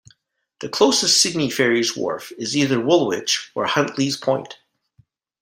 The closest Sydney Ferries wharf is either Woolwich or Huntleys Point.